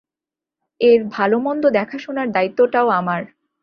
এর ভালো মন্দ দেখাশোনার দায়িত্বটাও আমার।